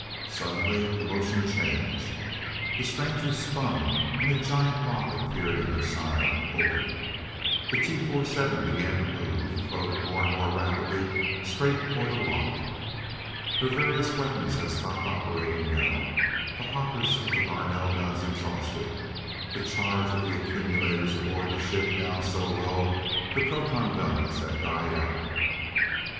Suddenly the motion changed, the stranger spun and a giant lock appeared in her side, opened. The T 247 began to move, floated more and more rapidly straight for the lock. Her various weapons had stopped operating now, the hoppers of the Garnell guns exhausted, the charge of the accumulators aboard the ship down so low the proton guns had died out.